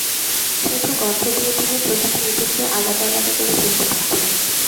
শুধু গন্ধ দিয়ে তিনি প্রতিটি ইঁদুরকে আলাদা-আলাদা করে চিনতে পারছেন।